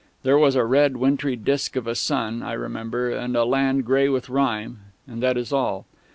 There was a red wintry disc of a sun, I remember, and a land grey with rime; and that is all.